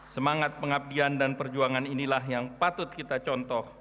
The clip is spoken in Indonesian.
semangat pengabdian dan perjuangan inilah yang patut kita contoh